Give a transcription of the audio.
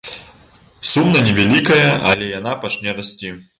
Сума невялікая, але яна пачне расці.